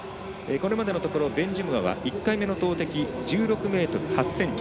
これまでのところベンジュムアは１回目の投てき１６ｍ８ｃｍ。